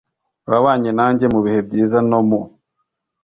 wabanye nanjye, mu bihe byiza, no mu